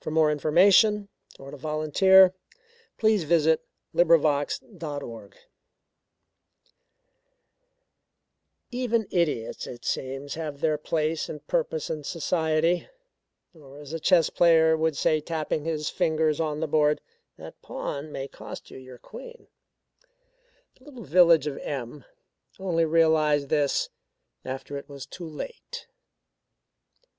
THE LITTLE MASTER OF THE SKY By MANUEL KOMROFF (From The Dial) Even idiots it seems have their place and purpose in society, or as a chess player would say tapping his fingers on the board "That pawn may cost you your queen." The little village of M only realized this after it was too late.